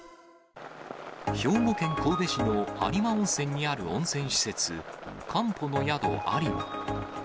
兵庫県神戸市の有馬温泉にある温泉施設、かんぽの宿有馬。